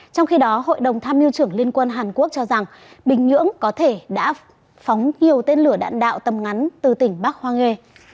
trong khi đó hội đồng tham mưu trưởng liên quân hàn quốc cho rằng bình nhưỡng có thể đã phóng nhiều tên lửa đạn đạo tầm ngắn từ tỉnh bắc hoa nghê